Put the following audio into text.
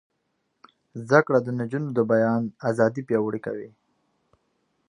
زده کړه د نجونو د بیان ازادي پیاوړې کوي.